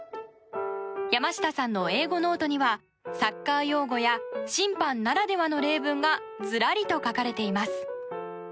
山下さんの英語ノートにはサッカー用語や審判ならではの例文がずらりと書かれています。